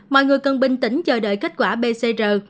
mọi người cần bình tĩnh chờ đợi kết quả pcr